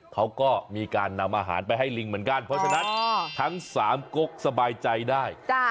เขาก็มีการนำอาหารไปให้ลิงเหมือนกันเพราะฉะนั้นทั้งสามกกสบายใจได้